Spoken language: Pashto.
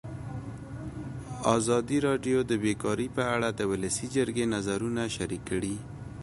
ازادي راډیو د بیکاري په اړه د ولسي جرګې نظرونه شریک کړي.